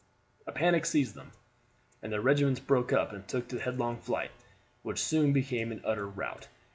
A panic seized them, and their regiments broke up and took to headlong flight, which soon became an utter rout.